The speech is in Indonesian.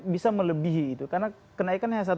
bisa melebihi itu karena kenaikannya